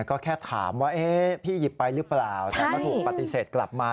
ก็แค่ถามว่าพี่หยิบไปหรือเปล่าแต่ก็ถูกปฏิเสธกลับมา